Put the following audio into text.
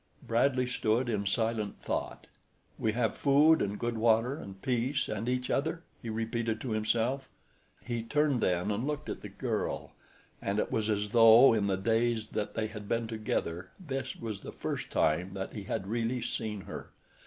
Bradley stood in silent thought. "`We have food and good water and peace and each other!'" he repeated to himself. He turned then and looked at the girl, and it was as though in the days that they had been together this was the first time that he had really seen her.